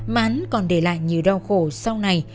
mà hắn còn để lại nhiều đau khổ sau này